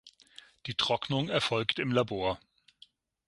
Die Trocknung erfolgt im Labor.